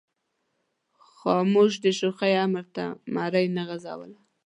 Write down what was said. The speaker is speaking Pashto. خاموش د شوخۍ امر ته مرۍ نه غځوله.